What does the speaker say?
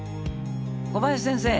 小林先生！